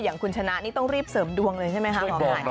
อย่างคุณชนะนี่ต้องรีบเสริมดวงเลยใช่ไหมคะหมอไก่